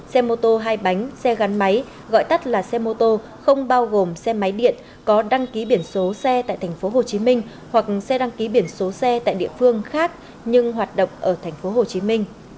xe mô tô hai bánh xe gắn máy gọi tắt là xe mô tô không bao gồm xe máy điện có đăng ký biển số xe tại tp hcm hoặc xe đăng ký biển số xe tại địa phương khác nhưng hoạt động ở tp hcm